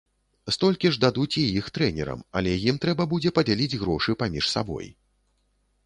Столькі ж дадуць і іх трэнерам, але ім трэба будзе падзяліць грошы паміж сабой.